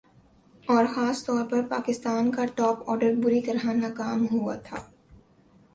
اور خاص طور پر پاکستان کا ٹاپ آرڈر بری طرح ناکام ہوا تھا